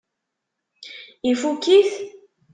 Ifukk-it?